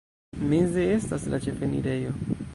Meze estas la ĉefenirejo.